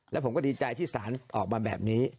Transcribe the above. แล้วผมก็ดีใจที่สารออกมาแบบนี้